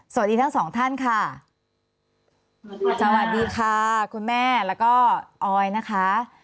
สวัสดีทั้งสองท่านค่ะสวัสดีค่ะคุณแม่แล้วก็ออยนะคะ